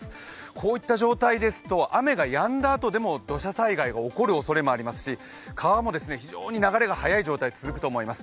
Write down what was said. こういった状態ですと雨がやんだあとでも土砂災害が起こるおそれがありますし川も非常に流れが速い状態が続くと思います。